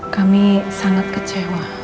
kami sangat kecewa